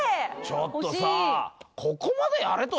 ちょっとさ